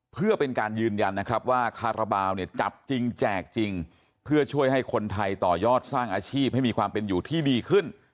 เพื่อเป็นการยืนยันนะครับว่าคาราบาลเนี่ยจับจริงแจกจริงเพื่อช่วยให้คนไทยต่อยอดสร้างอาชีพให้มีความเป็นอยู่ที่ดีขึ้น